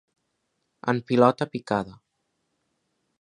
En pilota picada.